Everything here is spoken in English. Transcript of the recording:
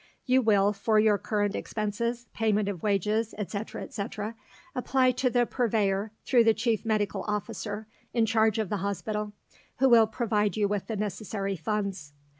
You will, for your current expenses, payment of wages, &c., &c., apply to the Purveyor through the Chief Medical Officer, in charge of the Hospital, who will provide you with the necessary funds.